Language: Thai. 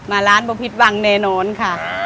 มาร้านเปล่าพิศวังแน่นอนค่ะ